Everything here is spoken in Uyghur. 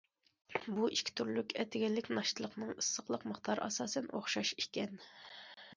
بۇ ئىككى تۈرلۈك ئەتىگەنلىك ناشتىلىقنىڭ ئىسسىقلىق مىقدارى ئاساسەن ئوخشاش ئىكەن.